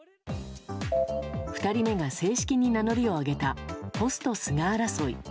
２人目が正式に名乗りを上げたポスト菅争い。